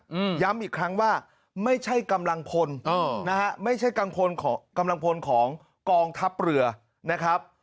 อืมย้ำอีกครั้งว่าไม่ใช่กำลังพลเออนะฮะไม่ใช่กังพลของกำลังพลของกองทัพเรือนะครับ